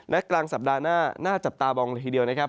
และกลางสัปดาห์หน้าน่าจับตามองละทีเดียวนะครับ